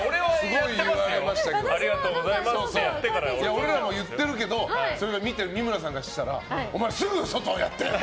俺らも言ってるけど見てる三村さんからしたらお前、すぐ外に言って。